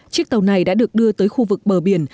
chiếc tàu này đã được đưa tới khu vực bờ biển